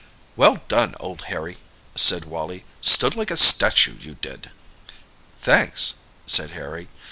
"Well done, old Harry!" said Wally. "Stood like a statue, you did!" "Thanks!" said Harry.